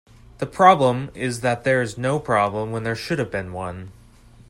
The problem is that there is no problem when there should have been one.